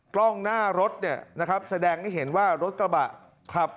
กล้องหน้ารถเนี่ยนะครับแสดงให้เห็นว่ารถกระบะขับ